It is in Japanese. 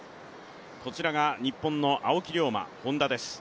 こちらが日本の青木涼真、ホンダです。